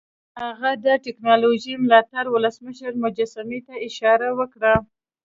هغه د ټیکنالوژۍ ملاتړي ولسمشر مجسمې ته اشاره وکړه